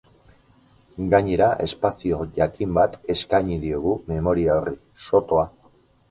Gainera, espazio jakin bat eskaini diogu memoria horri, sotoa.